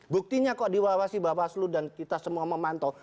buktinya kok diawasi bawaslu dan kita semua memantau